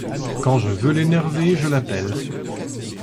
Quand je veux l'énerver je l'appelle.